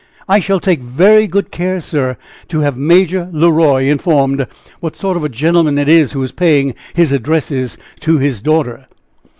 "I shall take very good care, sir, to have Major Le Roy informed what sort of a gentleman it is who is paying his addresses to his daughter."